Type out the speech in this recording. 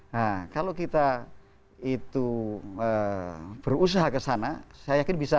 nah kalau kita itu berusaha kesana saya yakin bisa